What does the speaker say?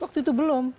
waktu itu belum